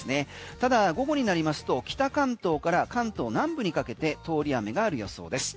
ただ、午後になりますと北関東から関東南部にかけて通り雨がある予想です。